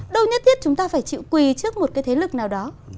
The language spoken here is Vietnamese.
đâu nhất thiết chúng ta phải chịu quỳ trước một cái thế lực nào đó